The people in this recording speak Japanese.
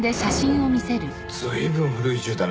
随分古い銃だね。